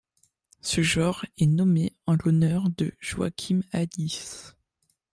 Ce genre est nommée en l'honneur de Joachim Adis.